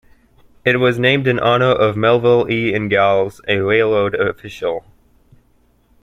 It was named in honor of Melville E. Ingalls, a railroad official.